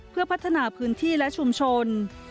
เพื่อพัฒนาพื้นที่และชุมชน